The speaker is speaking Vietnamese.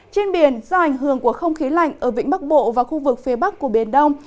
trên biển do ảnh hưởng của không khí lạnh ở vĩnh bắc bộ và khu vực phía bắc của biển đông